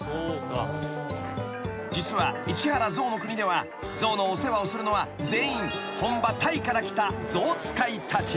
［実は市原ぞうの国では象のお世話をするのは全員本場タイから来た象使いたち］